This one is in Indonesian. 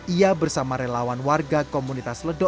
ia bersama relawan warga komunitas ledok